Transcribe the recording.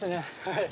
はい。